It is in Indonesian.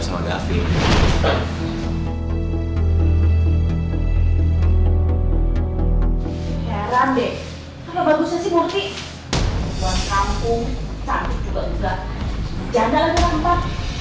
janda aja tempat tempat